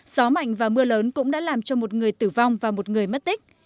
gió mạnh và mưa lớn cũng đã làm cho một người tử vong và một người mất tích